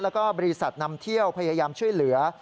แล้วก็บริษัทนำเที่ยวพยายามช่วยเหลือ